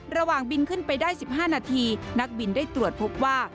ระหว่างบินขึ้นไปได้๑๕นาทีนักบินได้ตรวจพบว่า